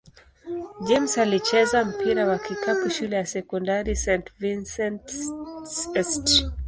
James alicheza mpira wa kikapu shule ya sekondari St. Vincent-St.